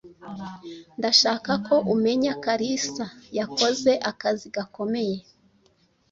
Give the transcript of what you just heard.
Ndashaka ko umenya Kalisa yakoze akazi gakomeye.